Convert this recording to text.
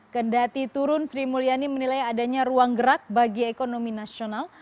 kendati turun sri mulyani menilai adanya ruang gerak bagi ekonomi nasional